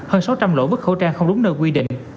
hơn sáu trăm linh lỗ bức khẩu trang không đúng nơi quy định